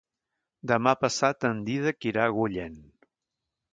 Demà passat en Dídac irà a Agullent.